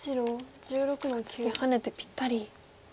次ハネてぴったり。